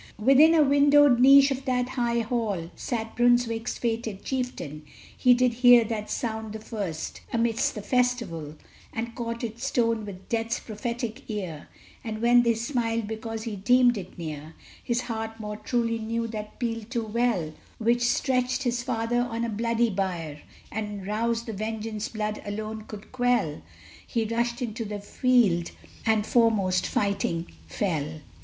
Within a windowed niche of that high hall Sat Brunswick's fated chieftain; he did hear That sound the first amidst the festival, And caught its tone with Death's prophetic ear; And when they smiled because he deemed it near, His heart more truly knew that peal too well, Which stretched his father on a bloody bier, And roused the vengeance blood alone could quell: He rushed into the field, and foremost fighting, fell.